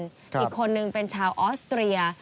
อีกคนนึงเป็นชาวออสเตรีย